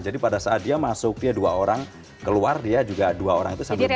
jadi pada saat dia masuk dia dua orang keluar dia juga dua orang itu sambil membawa